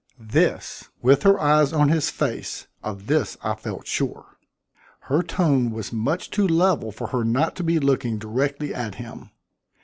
This, with her eyes on his face, of this I felt sure. Her tone was much too level for her not to be looking directly at him.